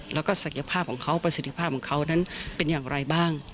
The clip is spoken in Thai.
แล้วก็ศักยภาพของเขาประสิทธิภาพของเขานั้นเป็นอย่างไรบ้าง